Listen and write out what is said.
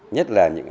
nhất là những